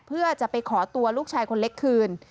เพื่อจะไปขอตัวลูกชายคนเล็กคืน